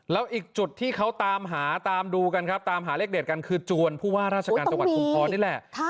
แล้วอีกจุดที่เขาตามหาตามดูกันครับตามหาเลขเด็ดกันคือจวนผู้ว่าราชการจังหวัดชุมพรนี่แหละ